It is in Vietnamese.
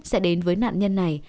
sẽ đến với nạn nhân này